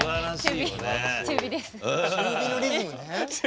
中火のリズムね。